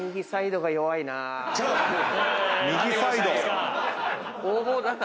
右サイド？